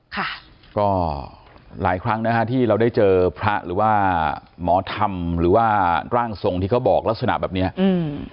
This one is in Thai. ค่ะก็หลายครั้งนะฮะที่เราได้เจอพระหรือว่าหมอธรรมหรือว่าร่างทรงที่เขาบอกลักษณะแบบเนี้ยอืม